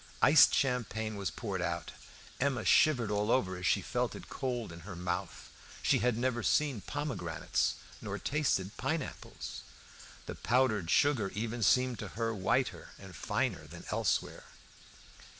Iced champagne was poured out. Emma shivered all over as she felt it cold in her mouth. She had never seen pomegranates nor tasted pineapples. The powdered sugar even seemed to her whiter and finer than elsewhere.